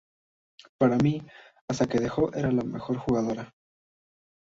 Para mí, hasta que dejó, era la mejor jugadora".